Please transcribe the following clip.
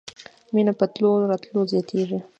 مېنه په تلو راتلو زياتېږي.